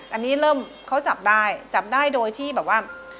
อันนี้เริ่มเขาจับได้จับได้โดยที่แบบว่า